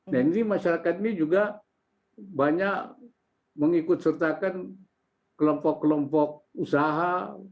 jadi masyarakat ini juga banyak mengikut sertakan kelompok kelompok usaha